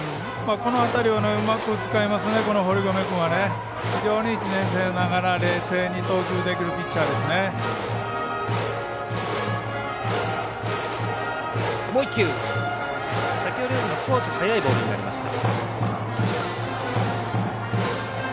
この辺りをうまく使いますね、堀米君は。非常に１年生ながら、冷静に投球できるピッチャーですね。